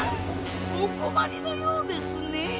おこまりのようですねぇ！